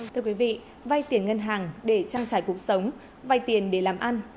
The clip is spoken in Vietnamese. thưa quý vị vay tiền ngân hàng để trang trải cuộc sống vay tiền để làm ăn